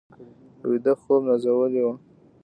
ویده خوب نازولي وي